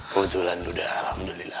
kebetulan duda alhamdulillah